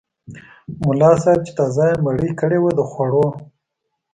ملا صاحب چې تازه یې مړۍ کړې وه د خوړو.